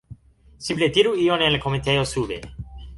simple diru ion en la komentejo sube